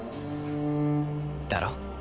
だろ？